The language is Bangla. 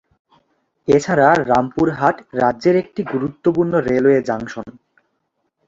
এছাড়া রামপুরহাট রাজ্যের একটি গুরুত্বপূর্ণ রেলওয়ে জংশন।